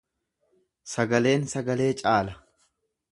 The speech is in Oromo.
Sagaleen sagalee caala.